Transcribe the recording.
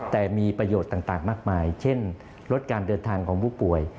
แต่มีประโยชน์ต่างมากมายเช่นลดการเดินทางของผู้ป่วย